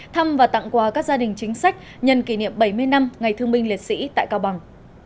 thăm và tặng quà các gia đình chính sách nhân kỷ niệm bảy mươi năm ngày thương binh liệt sĩ tại cao bằng